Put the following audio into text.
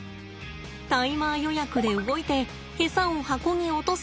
タイマー予約で動いてエサを箱に落とす。